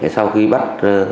sau khi bắt